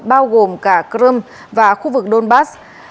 bao gồm cả crimea và khu vực donbass